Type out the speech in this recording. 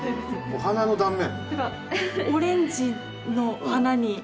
お花の断面？